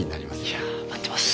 いや待ってます！